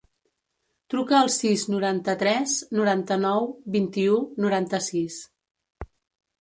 Truca al sis, noranta-tres, noranta-nou, vint-i-u, noranta-sis.